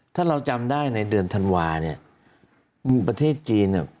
ถ้าเราจำได้ในเดือนธันวาเนี่ยประเทศจีนเนี่ย